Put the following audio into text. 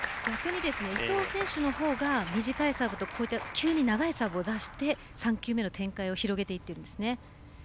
逆に伊藤選手のほうが短いサーブと急に長いサーブを出して３球目の展開を広げていっているんですね。